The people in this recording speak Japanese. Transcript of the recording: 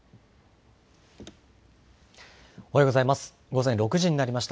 おはようございます。